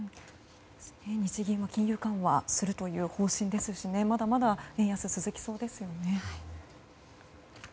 日銀も金融緩和するという方針ですしまだまだ円安続きそうですよね。